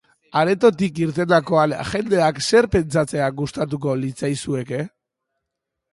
Aretotik irtendakoan jendeak zer pentsatzea gustatuko litzaizueke?